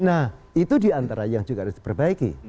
nah itu diantara yang juga harus diperbaiki